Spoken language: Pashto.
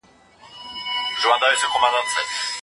دا زده کوونکي ډېر لایق دي چې په لویه کچه جایزې ګټي.